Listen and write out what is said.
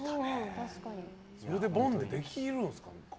それで、ボンでできるんですね。